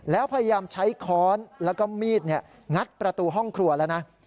แล้วพยายามใช้ค้อนแล้วก็มีดงัดประตูห้องครัวแล้วนะ